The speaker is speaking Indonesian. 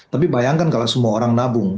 tapi bayangkan kalau semua orang nabung